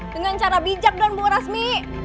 dengan cara bijak dan bu rasmi